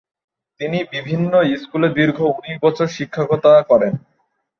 তিনি বিভিন্ন স্কুলে দীর্ঘ উনিশ বছর শিক্ষকতা করেন।